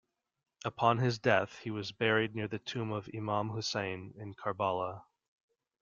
Upon his death he was buried near the tomb of Imam Husayn in Karbala.